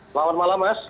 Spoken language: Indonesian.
selamat malam mas